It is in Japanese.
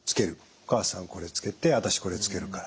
お母さんこれつけて私これつけるから。